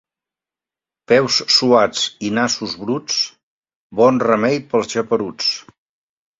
Peus suats i nassos bruts. Bon remei pels geperuts!